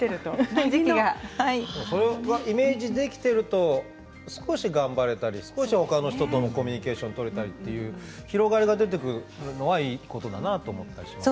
それがイメージできていると少し頑張れたり少しほかの人とコミュニケーション取れたりという広がりが出てくるのはいいことだなと思いました。